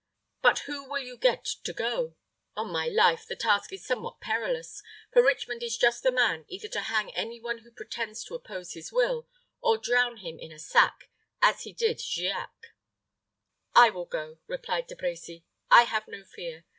But who will you get to go? On my life, the task is somewhat perilous; for Richmond is just the man either to hang any one who pretends to oppose his will, or drown him in a sack, as he did Giac." "I will go," replied De Brecy. "I have no fear.